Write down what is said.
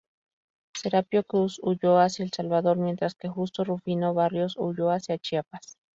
Serapio Cruz huyó hacia El Salvador, mientras que Justo Rufino Barrios huyó hacia Chiapas.